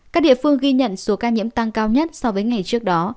các địa phương ghi nhận số ca nhiễm tăng cao nhất so với ngày trước đó